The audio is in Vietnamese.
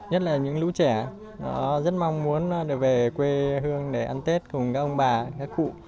nhất là những lũ trẻ rất mong muốn được về quê hương để ăn tết cùng các ông bà các cụ